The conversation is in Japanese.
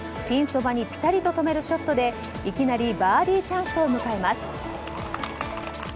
そばにピタリと止めるショットでいきなりバーディーチャンスを迎えます。